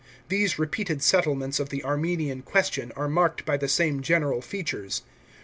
These repeated settlements of the Armenian question are marked by the same general features.